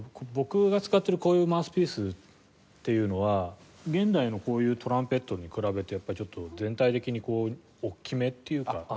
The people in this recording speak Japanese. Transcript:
僕が使ってるこういうマウスピースっていうのは現代のこういうトランペットに比べてやっぱちょっと全体的にこう大きめっていうか。